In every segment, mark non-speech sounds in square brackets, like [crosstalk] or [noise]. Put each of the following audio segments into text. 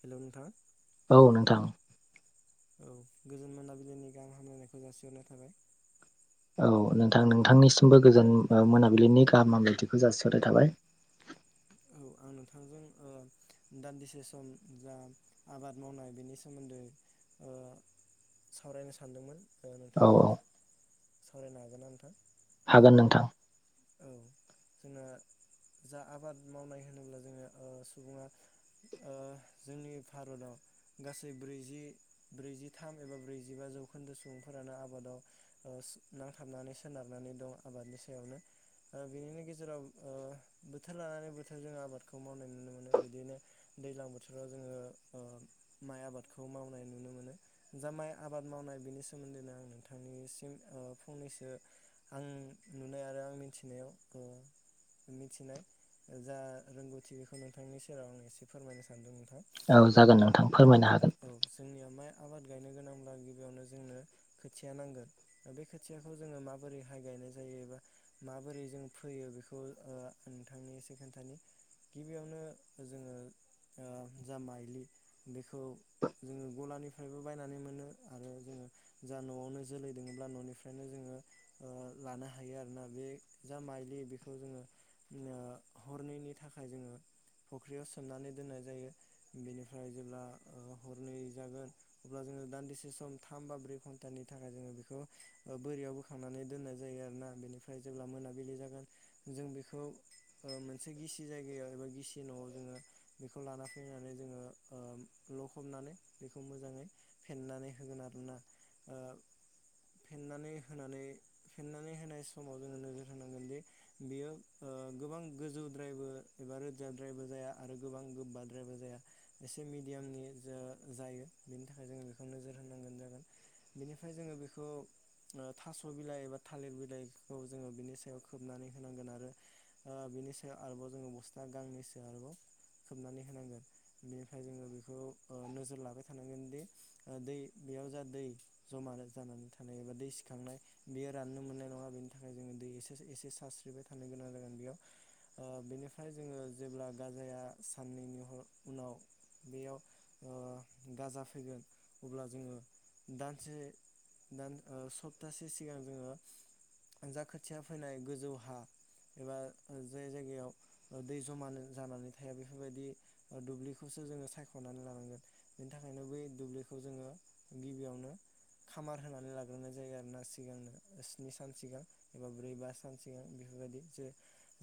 Hello नोंथां। औ नोंथां। औ गोजोन मोनाबिलिनि गाहाम हामलायनायखौ जासिहरनाय थाबाय। औ नोंथां नोंथांनिसिमबो गोजान ओ मोनाबिलिनि गाहाम हामलायथिखौ जासिहरनाय थाबाय। औ आं नोंथांजों ओ दान्दिसे सम जा आबाद मावनाय बेनि सोमोन्दै ओ सावरायनो सानदोंमोन। ओ औ औ नोंथांजों सावरायनो हागोन ना नोंथां? हागोन नोंथां। औ जोंना जा आबाद मावनाय होनोब्ला जोङो ओ सुबुङा ओ जोंनि भारतआव गासै ब्रैजि ब्रैजिथाम एबा ब्रैजिबा जौखोन्दो सुबुंफोरानो आबादाव ओ स नांथाबनानै सोनारनानै दं आबादनि सायावनो। ओ बिनिनो गेजेराव ओ बोथोर लानानै बोथोर जोङो आबादखौ मावनाय नुनो मोनो बिदिनो दैज्लां बोथोराव जोङो ओ माइ आबादखौ मावनाय नुनो मोनो जा माइ आबाद मावनाय बिनि सोमोन्दैनो आं नोंथांनिसिम ओ फंनैसो आं नुनाय आरो आं मिन्थिनायाव ओ मिन्थिनाय जा रोंगौथि बेखौ नोंथांनि सेराव आं एसे फोरमायनो सानदों नोंथ औ जागोन नोंथां फोरमायनो हागोन। जोंनिया माइ आबाद गायनो गोनांब्ला गिबियावनो जोंनो खोथिया नांगोन ओ बे खोथियाखौ जोङो माबोरैहाय गायनाय जायो एबा माबोरै जों फैयो बेखौ ओ नोंथांनि एसे खोन्थानि गिबियावनो जोङो ओ जा माइलि बेखौ जोङो गलानिफ्रायबो बायनानै मोनो आरो जोङो जा न'आवनो जोलै दङब्ला न'निफ्रायनो जोङो ओ लानो हायो आरोना। बे जा माइलि बेखौ जोङो ओ हरनैनि थाखाय जोङो फुख्रियाव सोमनानै दोननाय जायो बेनिफ्राय जेब्ला ओ हरनै जागोन अब्ला जोङो दान्दिसे सम थाम बा ब्रै घन्टानि थाखाय जोङो बेखौ ओ बोरियाव बोखांनानै दोननाय जायो आरोना बेनिफ्रा फाय जेब्ला मोनाबिलि जागोन जों बेखौ ओ मोनसे गिसि जायगायाव एबा गिसि न'आव जोङो बेखौ लाना फैनानै जोङो ओ लखबनानै बेखौ मोजाङै फेन्नानै होगोन आरोना ओ फेेननानै होनानै फेन्नानै होनाय स समाव जोङो नोजोर होनांगोनदि बियो ओ गोबां गोजौद्रायबो एबा रोजाद्रायबो जाया आरो गोबां गोब्बाद्रायबो जाया एसे मिडियामनि जा जायो बेनि थाखाय जोङो बेखौ नोजोर होनांगोन जागोन बेनिफ्राय जोङो बेखौ ओ थास' बिलाइ एबा थालिर बिलाइ खो खौ जोङो बिनि सायाव खोबनानै होनांगोन आरो ओ बिनि सायाव आरोबाव जोङो बस्था गांनैसो आरोबाव खोबनानै होनांगोन बेनिफ्राय जोङो बेखौ ओ नोजोर लाबाय थानांगोन दि ओ दै बेयाव जा दै जमा जानानै थानाय एबा दै सिखांनाय बेयो राननो मोननाय नङा बिनि थाखाय जोङो दै एसे एसे सारस्रिबाय थानांगोन आरो बेयाव ओ बेनिफ्राय जोङो जेब्ला गाजाया साननैनि उनाव बेयाव ओ गाजा फैगोन अब्ला जोङो दानसे दान ओ सप्तासे सिगां जोङो जा खोथिया फोनाय गोजौ हा एबा जाय जायगायाव दै जमानो जानानै थाया बेफोरबायदि दुब्लिखौसो जोङो सायख'नानै लानांगोन बेनि थाखायनो बै दुब्लिखौ जोङो गिबियावनो खामार होनानै लाग्रोनाय जायो आरोना सिगांनो स्नि सान सिगां एबा ब्रै बा सान सिगां बेफोरबायदि जे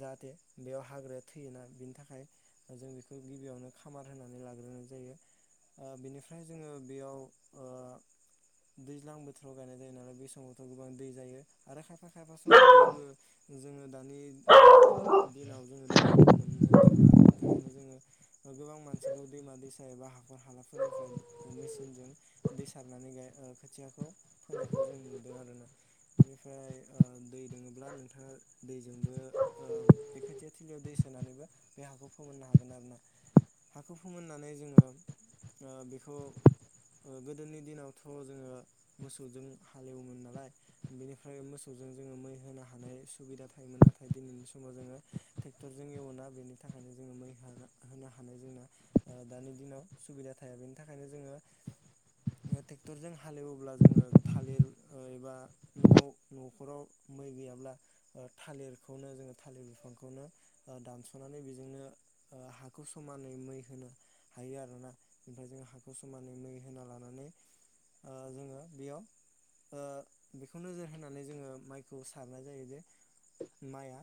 जाहाथे बेयाव हाग्राया थैयोना बिनि थाखाय जों बेखौ गिबियावनो खामार होनानै लाग्रोनाय जायो ओ बेनिफ्राय जोङो बेयाव ओ दैज्लां बोथोराव गायनाय जायो नालाय बे समावथ' गोबां दै जायो। आरो खाय फा खायफा समाव दैबो जोङो दानि ओ दिनाव जोङो दैखौ मोननो थाङा बेनि थाखायनो जोङो गोबां मानसिखौ दैमा दैसा एबा हाखर हालाफोरनिफ्राय मेसिनजों दै सारनानै गाय ओ खोथियाखौ फोनायखौ जों नुदों आरोना। बेनिफ्राय ओ दै दोङोब्ला नोंथाङा दैजोंबो ओ बे खोथिया थिलियाव दै सोनानैबो बे हाखौ फोमोननो हागोन आरोना हाखौ फोमोननानै जोङो ओ बेखौ ओ गोदोनि दिनावथ' जोङो मोसौजों हालेवोमोन नालाय। बेनिफ्राय मोसौजों जोङो मै होनो हानाय सुबिदा थायोमोन नाथाय दिनैनि समाव जोङो टेक्टरजों एवोना बेनि थाखायनो जोङो मै होनो हानाय जोङो ओ दानि दिनाव सुबिदा थाया बेनि थाखायनो जोङो टेक्टरजों हालेवोब्ला जोङो थालिर ओ एबा न'आव न'खराव मै गैयाब्ला ओ थालिरखौनो जोङो थालिर बिफांखौनो ओ दानस'नानै बेजोंनो ओ हाखौ समानै मै होनो हायो आरोना ओमफ्राय जोङो हाखौ समानै मै होना लानानै ओ जोङो बेयाव ओ बेखौ नोजोर होनानै जोङो माइखौ सारनाय जायो जे माइआ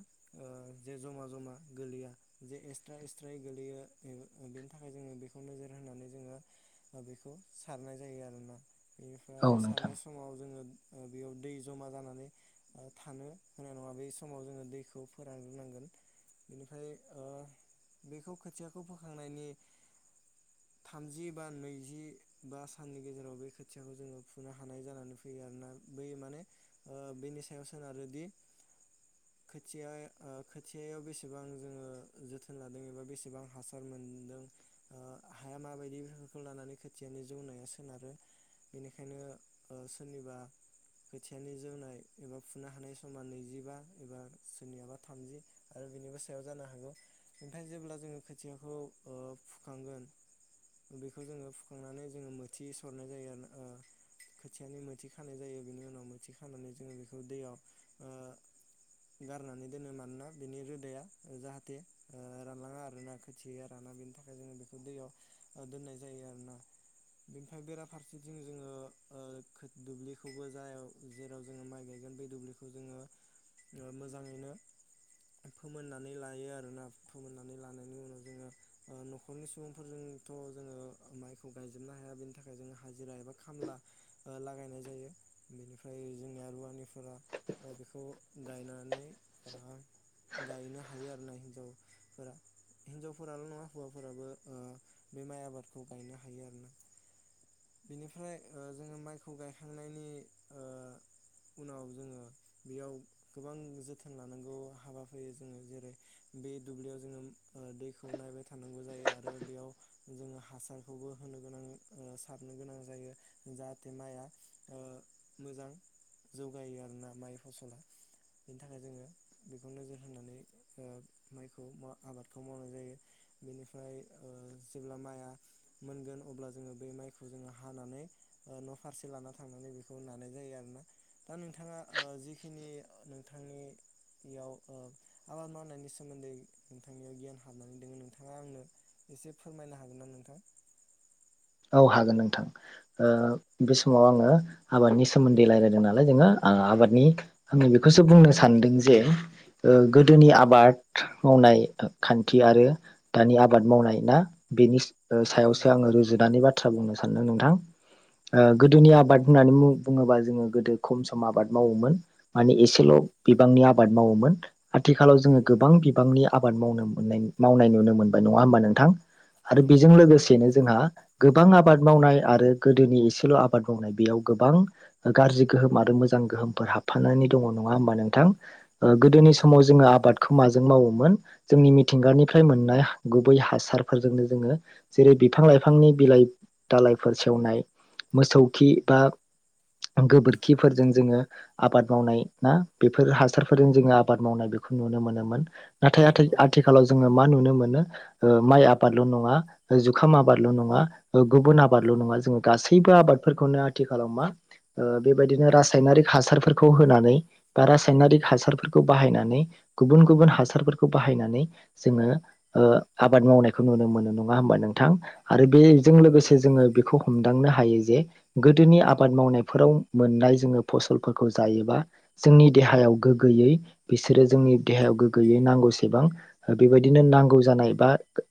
जे जमा-जमा गोलैया जे एस्ट्रा-एस्ट्रायै गोलैयो बेनि थाखाय जोङो बेखौ नोजोर होनानै जोङो बेखौ सारनाय जायो आरोना। औ बेनिफ्राय नोंथां सारनाय समाव जोङो बेयाव दै जमा जानानै ओ थानो होनाय नङा बे समाव जोङो दैखौ फोरानग्रोनांगोन बेनिफ्राय ओ बेखौ खोथियाखौ फोखांनायनि थामजि बा नैजि बा साननि गेजेराव बे खोथियाखौ जोङो फुनो हानाय जानानै फैयो आरोना। बै माने ओ बेनि सायाव सोनारोदि खोथिया ओ खोथियायाव बेसेबां जोङो जोथोन लादों एबा बेसेबां हासार मोनदों ओ हाया माबायदि बेफोरखौ लानानै खोथियानि जौनाया सोनारो बेनिखायनो ओ सोरनिबा खोथियानि जौनाय एबा फुनो हानाय समा नैजिबा एबा सोरनियाबा थामजि आरो बेनिबो सायाव जानो हागौ ओमफ्राय जेब्ला जोङो खोथियाखौ ओ फुखांगोन बेखौ जोङो फुखांनानै जोङो मोथि सरनाय जायो आरोना ओ खोथियानि मोथि खानाय जायो। बिनि उनाव मोथि खानानै जोङो बेखौ दैयाव ओ गारनानै दोनो मानोना बिनि रोदाया जाहाथे ओ रानलाङा आरोना खोथिया राना बेनि थाखाय जोङो बेखौ दैयाव ओ दोन्नाय जायो आरोना बेनिफाय बेराफारसेथिं जोङो ओ खो दुब्लि खौबो जायाव जेराव जोङो माइ गायगोन बे दुब्लिखौ जोङो ओ मोजाङैनो फोमोननानै लायो आरोना फोमोननानै लानायनि उनाव जोङो ओ न'खरनि सुबुंफोरजोंथ' जोङो माइखौ गायजोबनो हाया बेनि थाखाय जोङो हाजिरा एबा खामला ओ लागायनाय जायो बेनिफ्राय जोंना रुवानिफोरा ओ बेखौ गायनानै ओह गायनो हायो आरोना हिन्जावफोरा हिनजावफोराल' नङा हौवाफोराबो ओ बे माइ आबादखौ गायनो हायो आरोना बेनिफ्राय ओ जोङो माइखौ गायखांनाय नि ओह उनाव जोङो बेयाव गोबां जोथोन लानांगौ हाबा फैयो जोङो जेरै बे दुब्लियाव जोङो दैखौ नायबाय थानांगौ जायो आरो बेयाव जोङो हासारखौबो होनो गोनां सारनो गोनां जायो जाहाथे माइआ ओ मोजां जौगायो आरोना माइ फसला बेनि थाखाय जोङो बेखौ नोजोर होनानै ओ माइखौ मा आबादखौ मावनाय जायो बेनिफ्राय ओ जेब्ला माइआ मोनगोन अब्ला जोङो बे माइखौ जोङो हानानै ओ न' फारसे लाना थांनानै बेखौ नानाय जायो आरोना। दा नोंथाङा ओह जिखिनि नोंथांनियाव ओ आबाद मावनायनि सोमोन्दै नोंथांनियाव गियान हाबनानै दोङ नोंथाङा आंनो एसे फोरमायनो हागोन ना नोंथां? औ हागोन नोंथां ओह बे समाव आङो आबादनि सोमोन्दै रायज्लायदों नालाय जोङो आं आबादनि आङो बेखौसो बुंनो सानदों जे ओ गोदोनि आबाद मावनाय खान्थि आरो दानि आबाद मावनाय ना बेनि ओह औ सायावसो नंगौ आङो रुजुद बाथ्रा बुंनो सानदों नोंथां ओ गोदोनि आबाद होननानै मु बुङोबा जोङो गोदो खम सम आबाद मावोमोन मानि एसेल' बिबांनि आबाद मावोमोन आथिखालाव जोङो नंगौ गोबां नंगौ बिबांनि आबाद मावनो मोननाय मावनाय नुनो मोनबाय नङा होमबा नोंथां? आरो नंगौ बेजों नंगौ नोंथां लोगोसेनो जोंहा बां आबाद मावनाय आरो गोदोनि एसेल' आबाद मावनाय बेयाव गोबां गाज्रि गोहोम आरो मोजां गोहोमफोर हाबफानानै दङ नङा होमबा नोंथां? ओ गोदोनि नंगौ समाव नंगौ जोङो आबाद खोमाजों मावोमोन जोंनि मिथिंगानिफ्राय मोननाय हा गुबै हासारफोरजोंनो जोङो जेरै बिफां लाइफांनि बिलाइ दालायफोर सेवनाय मोसौ खि बा गोबोरखिफोरजों जोङो आबाद मावनाय ना बेफोर हासारफोरजों जोङो आबाद मावनाय बेखौ नुनो मोनोमोन। नाथाय आथि नंगौ नंगौ आथिखालाव जोङो मा नुनो मोनो ओह माइ आबादल' नङा जुखाम आबादल' नङा ओ गुबुन आबादल' नङा जोङो गासैबो आबादफोरखौनो आथिखालाव मा ओ बेबायदिनो रासायनारिक हासारफोरखौ होनानै बा रासायनारिक हासारफोरखौ बाहायनानै गुबुन गुबुन हासारफोरखौ बाहायनानै जोङो ओ आबाद मावनायखौ नुनो मोनो नङा होमबा नोंथां? आरो बे जों नंगौ नोंथां लोगोसे नंगौ जोङो बेखौ हमदांनो हायो जे गोदोनि आबाद मावनायफोराव मोननाय जोङो फसलफोरखौ जायोबा जोंनि देहायाव गोग्गोयै बिसोरो जोंनि देहायाव गोग्गोयै नांगौसेबां बेबायदिनो नांगौ जानाय बा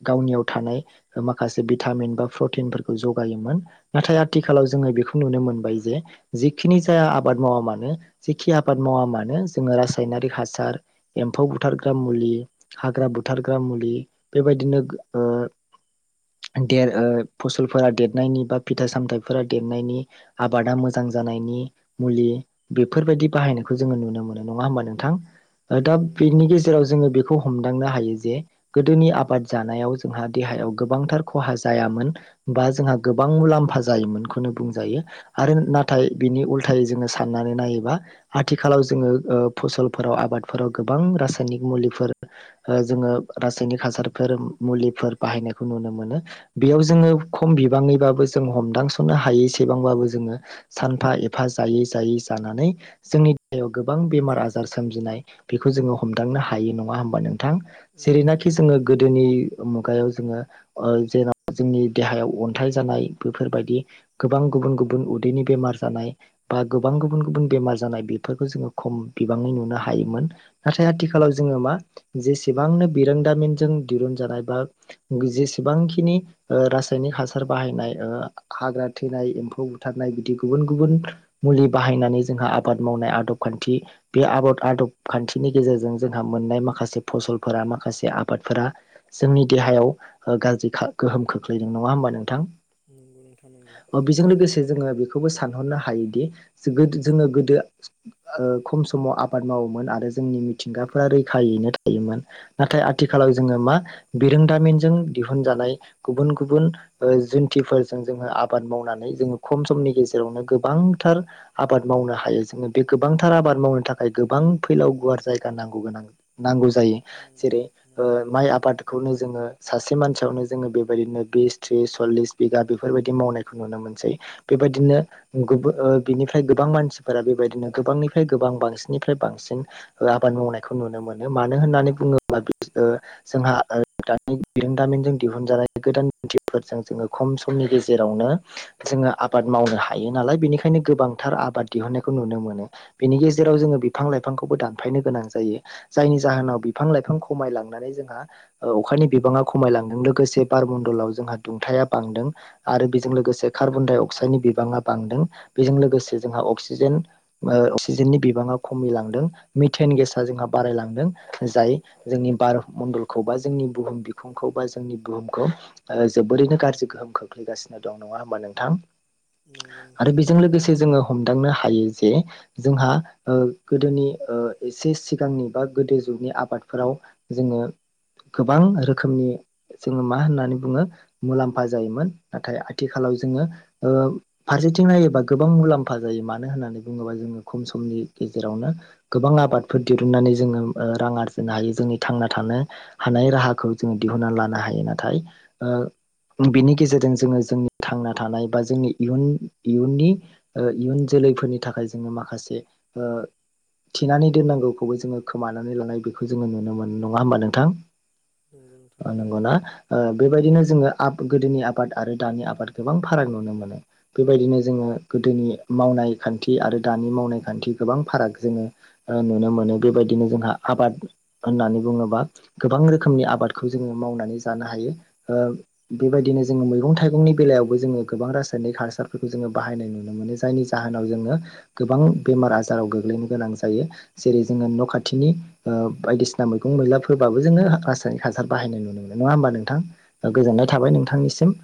गावनियाव थानाय माखासे भिटामिन बा प्रटिनफोरखौ जगायोमोन नाथाय आथिखालाव जोङो बेखौ नुनो मोनबाय जे जेखिनि जाया आबाद मावा मानो जेखि आबाद मावा मानो जोङो रासायनारिक हासार एम्फौ बुथारग्रा मुलि हाग्रा बुथारग्रा मुलि बेबायदिनो गो ओ देर ओ फसलफोरा देरनायनि बा फिथाइ सामथाइफोरा देरनायनि आबादा मोजां जानायनि मुलि बेफोरबायदि बाहायनायखौ जोङो नुनो मोनो नङा होमबा नोंथां? ओ दा नंगौ नोंथां बेनि नंगौ गेजेराव जोङो बेखौ हम दांनो हायो जे गोदोनि आबाद जानायाव जोंहा देहायाव गोबांथार खहा जायामोन बा जोंहा गोबां मुलाम्फा जायोमोनखौनो बुंजायो आरो नाथाय बिनि उल्थायै जोङो साननानै नायोबा आथिखालाव जोङो ओ फसलफोराव आबादफोराव गोबां रासायनिक मुलिफोर जोङो रासायनिक हासारफोर मुलिफोर बाहायनायखौ नुनो मोनो बेयाव जोङो खम बिबाङैबाबो जों हमदांसननो हायैसेबांबाबो जोङो सानफा एफा जायै जायै जानानै जोंनि देहायाव गोबां बेमार आजार सोमजिनाय बेखौ जोङो हमदांनो हायो नङा होमबा नों थां नंगौ जेरैनाखि नोंथां जोङो नंगौ गोदोनि मुगायाव। जोङो अ जेरा [unintelligible] जोंनि। देहायाव अन्थाइ जानाय बेफोरबायदि गोबां गुबुन गुबुन उदैनि बेमार जानाय बा गोबां गुबुन गुबुन बेमार जानाय बेफोरखौ जोङो खम बिबाङै नुनो हायोमोन नाथाय आथिखालाव जोङो मा जेसेबांनो बिरोंदामिनजों दिरुन जानाय बा जेसेबांखिनि ओ रास सायनिक हासार बाहायनाय ओ हाग्रा थैनाय एम्फौ बुथारनाय बिदि गुबुन गुबुन मुलि बाहायनानै जोंहा आबाद मावनाय आदब खान्थि बे आबद आदब खान्थिनि गेजेरजों जोंहा मोननाय माखासे फसलफोरा माखासे आबादफोरा जोंनि देहायाव गाज्रि खा गोहोम खोख फैदों नङा होमबा नोंथां नंगौ नोंथां नंगौ अ बेजों लोगोसे जोङो बि बेखौबो सानहरनो हायोदि जोबो [unintelligible] जोङो गोदो ओ खम समाव आबाद मावोमोन आरो जोंनि मिथिंगाफोरा रैखायैनो थायोमोन नाथाय आथिखालाव जोङो मा बिरोंदामिनजों दिहुनजानाय गुबुन गुबुन ओ जुन्थिफोरजों जोङो आबाद मावनानै जोङो खम समनि गेजेरावनो गोबांथार आबाद मावनो हायो जोङो बे गोबांथार आबाद मावनो थाखाय गोबां फैलाव गुवार जायगा नांगौ गोनां नांगौ जायो नंगौ जेरै नंगौ ओ नोंथां माइ आबादखौनो जोङो सासे मानसियावनो जोङो बे [unintelligible] दिनो बिस थ्रिस सलिस बिगा बेफोरबायदि मावनायखौ नुनो मोनसै बेबायदिनो गुबो ओ बिनिफ्राय गोबां मानसिफोरा बेबायदिनो गोबांनिफ्राय गोबां बांसिननिफ्राय बांसिन आबाद मावनायखौ नुनो मोनो मानो होननानै बुङोब्ला बिद ओ जोंहा ओ दानि बिरोंदामिनजों दिहुनजानाय गोदान [unintelligible] थिफोरजों जोङो खम समनि गेजेरावनो जोङो आबाद मावनो हायो नालाय बेनिखायनो गोबांथार आबाद दिहुननायखौ नुनो मोनो बेनि गेजेराव जोङो बिफां लाइफांखौबो दानफायनो गोनां जायो जायनि जाहोनाव बिफां लाइफां खमायलांनानै जोंहा ओ अखानि बिबाङा खमायलांदों लोगोसे बार मण्डलाव जोंहा दुंथा बांदों आरो बेजों लोगोसे कार्बन डाइ अक्साइडनि बिबाङा बांदों बेजों लोगोसे जोंहा अक्सिजेन ओ अक्सिजेननि बिबाङा खमिलांदों, मिथेन गेसा जोंहा बारायलांदों जाय जोंनि बार मण्डलखौ बा जोंनि बुहुम बिखुंखौ बा जोंनि बुहुम ओ जोबोरैनो गाज्रि गोहोम खोख्लैगासिनो दं नङा होमबा नोंथां? नंगौ नोंथां आरो बेजों नंगौ लोगोसे जोङो हम हमदांनो हायो जे जोंहा ओ गोदोनि ओ एसे सिगांनिबा गोदो जुगनि आफादफोराव जोङो गोबां रोखनि जे उम मा होन्नानै बुङो मुलाम्फा जायोमोन नाथाय आथिखालाव जोङो ओ फारसेथिं नायोबा गोबां मुलाम्फा जायो मानो होननानै बुङोबा जोङो खम समनि गेजेरावनो गोबां आबादफोर दिहुनन्नानै जोङो ओ रां आरजिनो हायो जोंनि थांना थानो हानाय राहाखौ जोङो दिहुननानै लानो हा ए नाथाय ओ बिनि गेजेरजों जोङो जोंनि थांना थानाय बा जोंनि इयुन इयुननि ओ इयुन जोलैफोरनि थाखाय जोङो माखासे ओ थिनानै दोननांगौखौबो जोङो खोमानानै लानाय बेखौ जोङो नुनो मोनो नङा होमबा नोंथां? नंगौ नोंथां नंगौ। नंगौना ओ बेबायदिनो जोङो आब गोदोनि आबाद आरो दानि आबाद गोबां फाराग नुनो मोनो बेबायदिनो जोङो गोदोनि मावनाय खान्थि आरो दानि मावनाय खान्थि गोबां फाराग जोङो ओ नुनो मोनो बेबायदिनो जोंहा आबाद होननानै बुङोबा गोबां रोखोमनि आबादखौ जोङो मावनानै ज जानो हायो ओ बेबायदिनो जोङो मैगं थाइगंनि बेलायावबो जोङो गोबां रासायनिक हासारफोरखौ जोङो बाहायनाय नुनो मोनो जायनि जाहोनाव जोङो गोबां बेमार आजाराव गोग्लैनो गोनां जायो जेरै जोङो न' खाथिनि ओ बायदिसिना मैगं मैलाफोरबाबो जोङो रासायनिक हासार बाहायनाय नुनो मोनो। नङा होमबा नोंथां? ओ गोजोननाय नंगौ थाबाय नोंथां नंगौ नोंथांनिसिम।